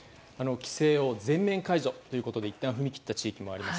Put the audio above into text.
規制を全面解除ということでいったん踏み切った地域もあります。